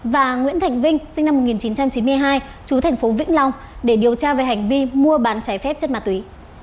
và nguyễn thành vinh sinh năm một nghìn chín trăm chín mươi hai chú thành phố vĩnh long để điều tra về hành vi mua bán trái phép chất ma túy